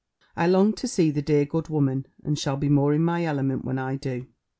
I long to see the dear good woman, and shall be more in my element when I do.